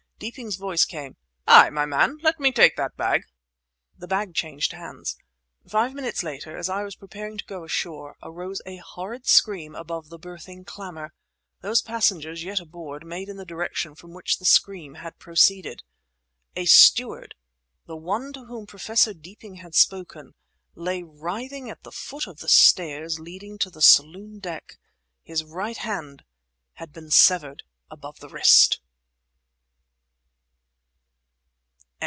Deeping's voice came: "Hi, my man! Let me take that bag!" The bag changed hands. Five minutes later, as I was preparing to go ashore, arose a horrid scream above the berthing clamour. Those passengers yet aboard made in the direction from which the scream had proceeded. A steward—the one to whom Professor Deeping had spoken—lay writhing at the foot of the stairs leading to the saloon deck. His right hand had been severed above the wrist!